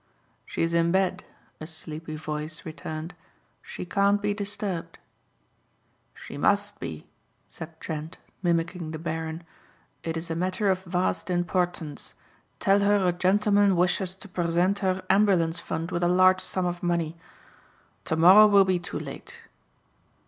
"She is in bed," a sleepy voice returned. "She can't be disturbed." "She must be," said Trent, mimicking the Baron. "It is a matter of vast importance. Tell her a gentleman wishes to present her ambulance fund with a large sum of money. To morrow will be too late."